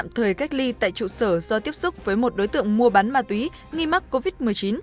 tạm thời cách ly tại trụ sở do tiếp xúc với một đối tượng mua bán ma túy nghi mắc covid một mươi chín